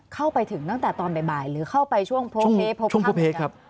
เข้าไปถึงตั้งแต่ตอนบ่ายหรือเข้าไปช่วงโพเพโพพร่ำเหมือนกัน